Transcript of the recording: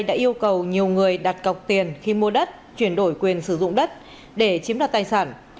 đã yêu cầu nhiều người đặt cọc tiền khi mua đất chuyển đổi quyền sử dụng đất để chiếm đoạt tài sản